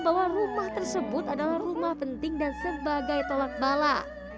bahwa rumah tersebut adalah rumah penting dan sebagai tolak bala